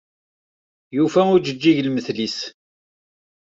Yufa ujeǧǧig lmetel-is.